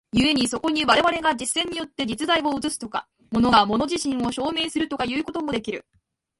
故にそこに我々が実践によって実在を映すとか、物が物自身を証明するとかいうこともできる。